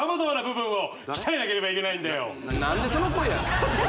何でその声や誰？